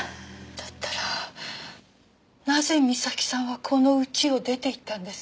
だったらなぜみさきさんはこの家を出ていったんです？